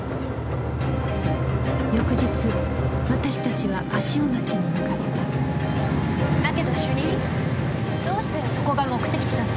翌日私たちは足尾町に向かっただけど主任どうしてそこが目的地だと？